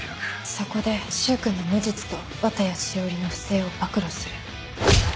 そこで柊君の無実と綿谷詩織の不正を暴露する。